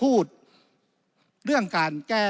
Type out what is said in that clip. วุฒิสภาจะเขียนไว้ในข้อที่๓๐